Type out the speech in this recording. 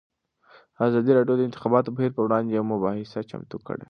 ازادي راډیو د د انتخاباتو بهیر پر وړاندې یوه مباحثه چمتو کړې.